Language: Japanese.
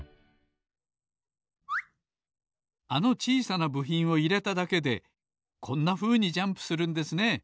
あのちいさなぶひんをいれただけでこんなふうにジャンプするんですね。